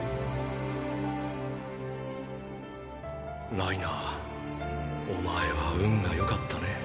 ライナーお前は運が良かったね。